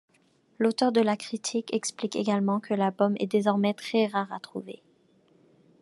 L'auteur de la critique explique également que l'album est désormais très rare à trouver.